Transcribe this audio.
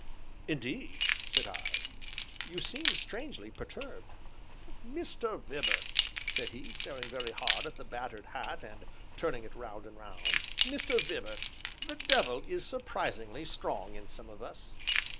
"Indeed," said I, "you seemed strangely perturbed." "Mr. Vibart," said he, staring very hard at the battered hat, and turning it round and round, "Mr. Vibart, the devil is surprisingly strong in some of us."